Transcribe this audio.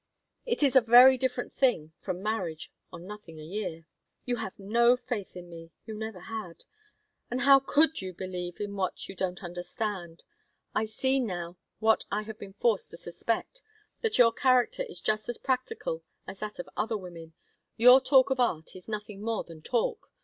It is a very different thing from marriage on nothing a year." "You have no faith in me; you never had. And how could you believe in what you don't understand? I see now what I have been forced to suspect that your character is just as practical as that of other women. Your talk of art is nothing more than talk.